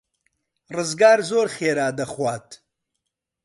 ڕزگار زۆر خێرا دەخوات.